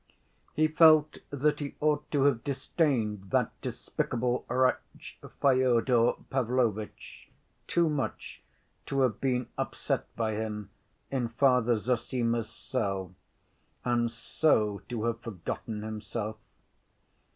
He felt that he ought to have disdained that despicable wretch, Fyodor Pavlovitch, too much to have been upset by him in Father Zossima's cell, and so to have forgotten himself.